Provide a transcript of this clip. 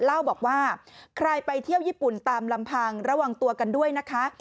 เล่าบอกว่าใครไปเที่ยวญี่ปุ่นตามลำพังระวังตัวกันด้วยนะคะ